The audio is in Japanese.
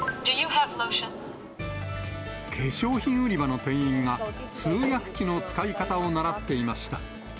化粧品売り場の店員が、通訳機の使い方を習っていました。